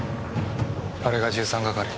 あれが１３係。